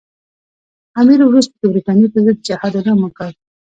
امیر وروسته د برټانیې پر ضد د جهاد اعلان وکړ.